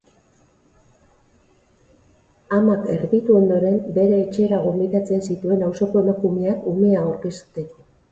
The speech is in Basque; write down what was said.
Amak, erditu ondoren, bere etxera gonbidatzen zituen auzoko emakumeak umea aurkezteko.